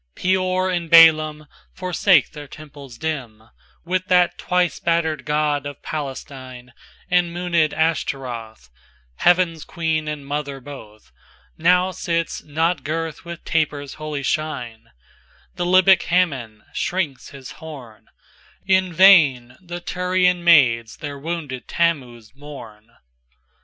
XXIIPeor and BaälimForsake their temples dim, With that twice battered god of Palestine; And moonèd Ashtaroth, Heaven's Queen and Mother both, Now sits not girt with tapers' holy shine:The Libyc Hammon shrinks his horn; In vain the Tyrian maids their wounded Thammuz mourn.